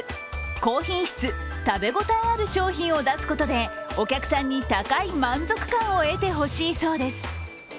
高品質、食べ応えある商品を出すことでお客さんに高い満足感を得てほしいそうです。